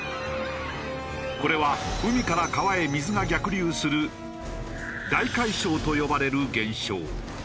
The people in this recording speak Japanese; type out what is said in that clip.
これは海から川へ水が逆流する大海嘯と呼ばれる現象。